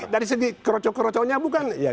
dari segi kerocok kerocoknya bukan